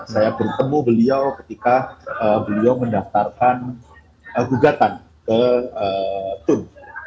saya bertemu beliau ketika beliau mendaftarkan gugatan ke tun